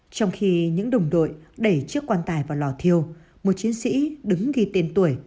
trong khi những đồng đội đẩy chiếc quan tài vào lò thiêu một chiến sĩ đứng ghi tên tuổi